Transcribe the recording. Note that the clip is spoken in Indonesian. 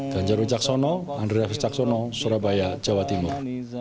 ganjaro caksono andri raffi caksono surabaya jawa timur